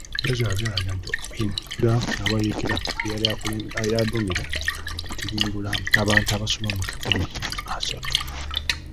Ebyazuulibwa byalaga nti Ongwen yalagira abayeekera be yali aduumira okutirimbula abantu abasoba mu kikumi asatu.